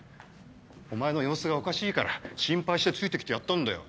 お前の様子がおかしいから心配してついて来てやったんだよ。